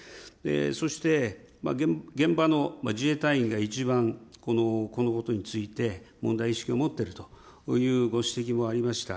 そして現場の自衛隊員が一番このことについて問題意識を持ってるというご指摘もありました。